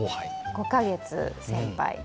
５カ月先輩。